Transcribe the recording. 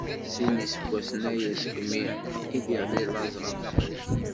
Sin n iseggasen aya segmi i d-iɣli laẓ ɣef tmurt.